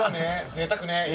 ぜいたくね。